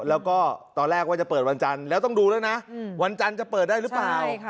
แล้วก็ตอนแรกว่าจะเปิดวันจันทร์แล้วต้องดูแล้วนะวันจันทร์จะเปิดได้หรือเปล่า